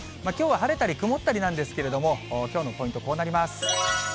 きょうは晴れたり曇ったりなんですけれども、きょうのポイントこうなります。